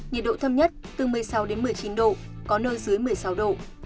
nhiệt độ thấp nhất từ một mươi sáu đến một mươi chín độ có nơi dưới một mươi sáu độ